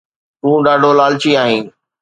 تون ڏاڍو لالچي آهين